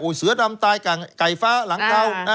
โอ๊ยเสือดำตายก่ายฟ้าหลังเทา